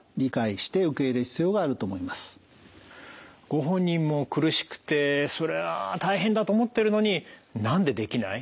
ご本人も苦しくてそれは大変だと思ってるのに「なんでできない？」